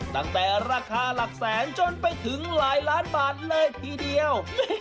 ตั้งแต่ราคาหลักแสนจนไปถึงหลายล้านบาทเลยทีเดียว